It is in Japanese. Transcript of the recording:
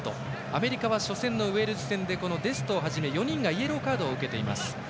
アメリカは初戦、ウェールズ戦でデストをはじめ、４人がイエローカードを受けています。